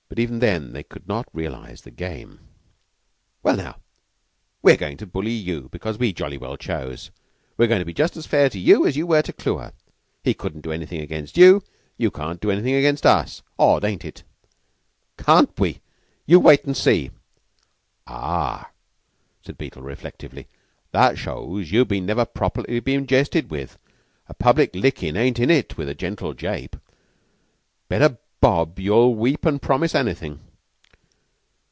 Even then they could not realize the game. "Well, now we're goin' to bully you because we jolly well choose. We're goin' to be just as fair to you as you were to Clewer. He couldn't do anything against you. You can't do anything to us. Odd, ain't it?" "Can't we? You wait an' see." "Ah," said Beetle reflectively, "that shows you've never been properly jested with. A public lickin' ain't in it with a gentle jape. Bet a bob you'll weep an' promise anything."